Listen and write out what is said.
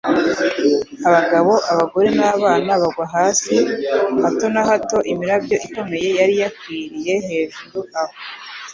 Abagabo, abagore n'abana bagwa hasi. Hato na hato imirabyo ikomeye yari yakwiriye hejuru aho-